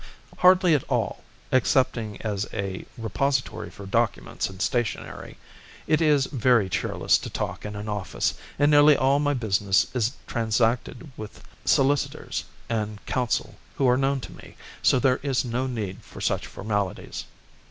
"Hardly at all, excepting as a repository for documents and stationery. It is very cheerless to talk in an office, and nearly all my business is transacted with solicitors and counsel who are known to me, so there is no need for such formalities.